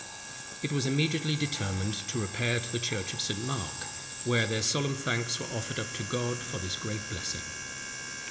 It was immediately determined to repair to the church of St. Mark, where their solemn thanks were offered up to God for this great blessing.